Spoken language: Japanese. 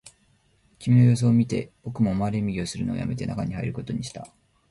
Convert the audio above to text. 君の様子を見て、僕も回れ右をするのをやめて、中に入ることにした